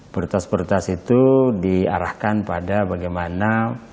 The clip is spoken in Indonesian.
prioritas pertas itu diarahkan pada bagaimana